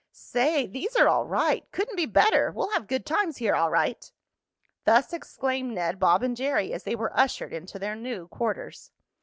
"Say, these are all right!" "Couldn't be better!" "We'll have good times here all right!" Thus exclaimed Ned, Bob and Jerry as they were ushered into their new quarters.